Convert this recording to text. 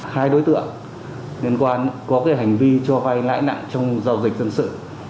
hai đối tượng liên quan có cái hành vi cho vai nãi nặng trong giao dịch dân sự